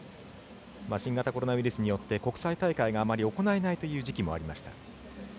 新型コロナウイルスによって国際大会があまり行えないという時期もありました。